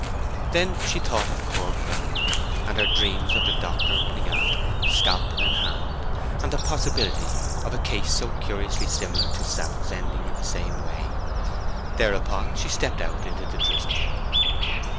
Then she thought of poor Grammer, and her dreams of the doctor running after her, scalpel in hand, and the possibility of a case so curiously similar to South's ending in the same way; thereupon she stepped out into the drizzle.